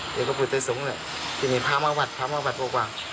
เดี๋ยวก็พุทธไทยสงฆ์เนี่ยเดี๋ยวพามาวัดพามาวัดว่ากว่าง